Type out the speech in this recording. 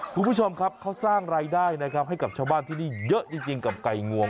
คุณผู้ชมครับเขาสร้างรายได้นะครับให้กับชาวบ้านที่นี่เยอะจริงกับไก่งวง